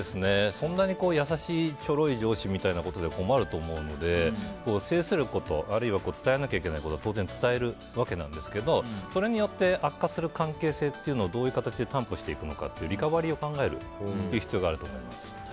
そんなに優しいちょろい上司みたいなことじゃ困ると思うんだけど、制することあるいは伝えなきゃいけないことを当然伝えるわけなんですけどそれによって悪化する関係性というのを、どうやって担保していくかというリカバリーを考える必要があると思います。